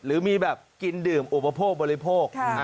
หรือมีแบบกินดื่มอุปโภคบริโภค